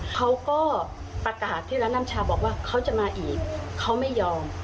เขาก็ประกาศที่ร้านน้ำชาบอกว่าเขาจะมาอีกเขาไม่ยอม